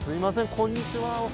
こんにちは。